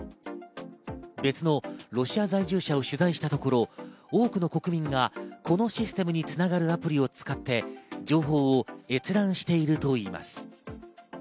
別のロシア在住者を取材したところ多くの国民がこのシステムにつながるアプリを使って情報を閲覧しているといいます。